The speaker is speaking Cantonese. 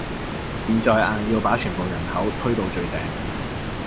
現在硬要把全部人口推到最頂